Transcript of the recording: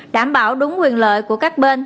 đảm bảo đúng quyền lợi của các bên